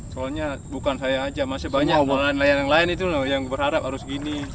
soalnya bukan saya aja masih banyak yang lain lain itu yang berharap harus begini